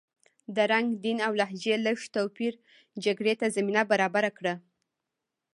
د رنګ، دین او لهجې لږ توپیر جګړې ته زمینه برابره کړه.